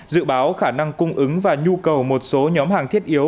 dự báo khả năng cung ứng và nhu cầu một số nhóm hàng thiết yếu